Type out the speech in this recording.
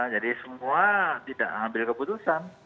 jadi semua tidak ambil keputusan